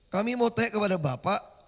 kami mau tanya kepada bapak